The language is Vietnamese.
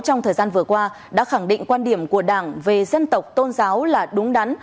trong thời gian vừa qua đã khẳng định quan điểm của đảng về dân tộc tôn giáo là đúng đắn